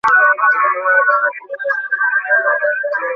গতকাল বাদ আসর গুলশানের আজাদ মসজিদে তাঁর প্রথম জানাজা অনুষ্ঠিত হয়।